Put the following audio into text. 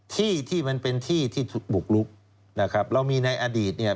ที่ที่มันเป็นที่ที่บุกลุกนะครับเรามีในอดีตเนี่ย